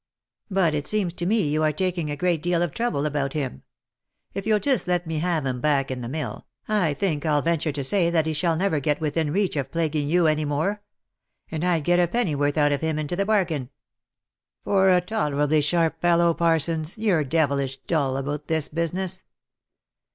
But it seems to me you are taking a deal of trouble about him. If you'll just let me have him back in the mill, I think I'll venture to say that he shall never get within reach of plaguing you any more — and I'd get a pennyworth out of him into the bargain." " For a tolerably sharp fellow, Parsons, you're devilish dull about this business.